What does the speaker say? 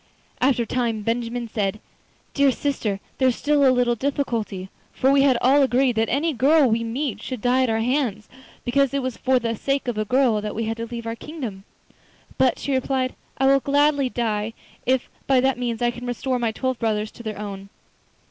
After a time Benjamin said: 'Dear sister, there is still a little difficulty, for we had all agreed that any girl we met should die at our hands, because it was for the sake of a girl that we had to leave our kingdom.' 'But,' she replied, 'I will gladly die if by that means I can restore my twelve brothers to their own.